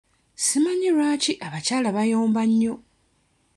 Simanyi lwaki abakyala bayomba nnyo?